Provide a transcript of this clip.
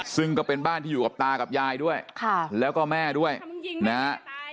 ซึ่งก็เป็นบ้านที่อยู่กับตากับยายด้วยแล้วก็แม่ด้วยนะฮะ